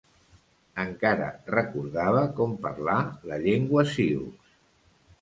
Encara recordava com parlar la llengua sioux.